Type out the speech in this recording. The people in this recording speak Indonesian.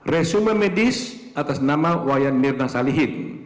resume medis atas nama wayan mirna salihin